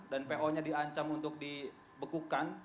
dan po nya diancam untuk dibekukan